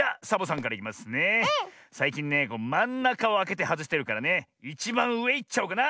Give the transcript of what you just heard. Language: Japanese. さいきんねまんなかをあけてはずしてるからねいちばんうえいっちゃおうかな！